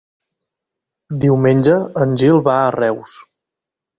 Diumenge en Gil va a Reus.